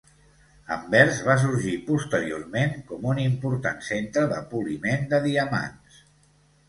Anvers va sorgir posteriorment com un important centre de poliment de diamants.